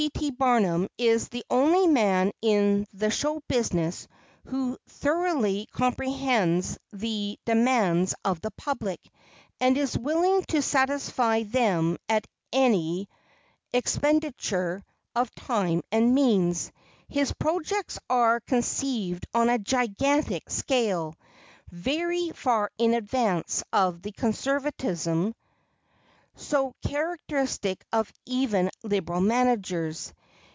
P. T. Barnum is the only man in the show business who thoroughly comprehends the demands of the public, and is willing to satisfy them at any expenditure of time and means. His projects are conceived on a gigantic scale, very far in advance of the conservatism so characteristic of even liberal managers.